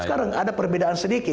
sehingga sudah bersama dengan pemerintah